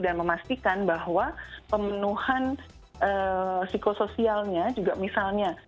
dan memastikan bahwa pemenuhan psikososialnya juga misalnya